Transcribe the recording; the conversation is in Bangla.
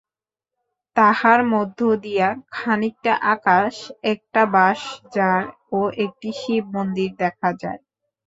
তাহার মধ্যদিয়া খানিকটা আকাশ, একটা বাঁশঝাড় ও একটি শিবমন্দির দেখা যায়।